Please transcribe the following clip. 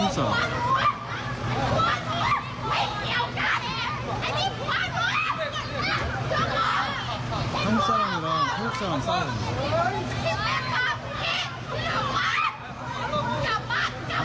สุดท้ายนะคะ